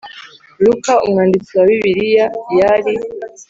Luka umwanditsi wa Bibiliya yari